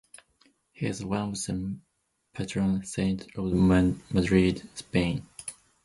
He is one of the patron saints of Madrid, Spain.